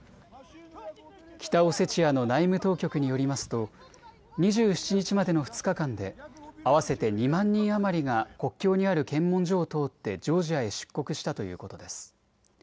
北オセチアの内務当局によりますと２７日までの２日間で合わせて２万人余りが国境にある検問所を通ってジョージアへ出国したということです。